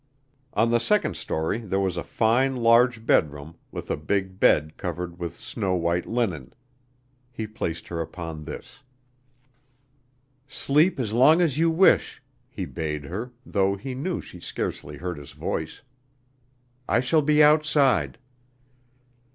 On the second story there was a fine large bedroom, with a big bed covered with snow white linen. He placed her upon this. "Sleep as long as you wish," he bade her, though he knew she scarcely heard his voice. "I shall be outside."